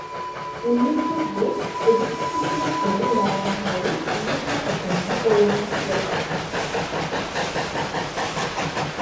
উল্লেখযোগ্য অভিনয়শিল্পীরা হলেন Laura Harris, Enuka Okuma ও রায়ান রেনল্ডস।